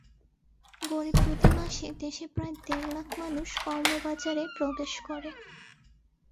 গড়ে প্রতি মাসে দেশে প্রায় দেড় লাখ মানুষ কর্মবাজারে প্রবেশ করে।